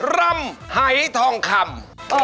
รำให้ทองคำ